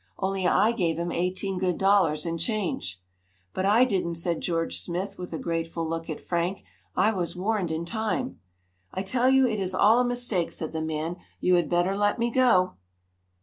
Only I gave him eighteen good dollars in change." "But I didn't," said George Smith with a grateful look at Frank. "I was warned in time." "I tell you it is all a mistake," said the man. "You had better let me go."